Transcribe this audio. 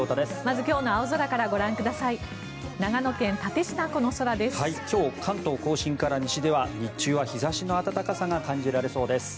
今日、関東・甲信から西は日中は日差しの温かさが感じられそうです。